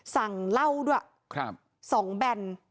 สั่งเหล้าด้วย๒แบน